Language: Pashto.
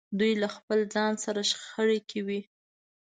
دوی له خپل ځان سره شخړه کې وي.